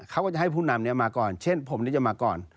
เขาก็จะให้ผู้นำนี้มาก่อนเช่นผมจะมาก่อน